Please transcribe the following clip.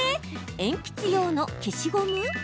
鉛筆用の消しゴム？